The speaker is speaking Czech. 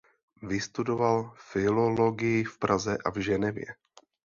Vystudoval filologii v Praze a v Ženevě.